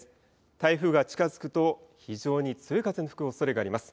台風が近づくと非常に強い風の吹くおそれがあります。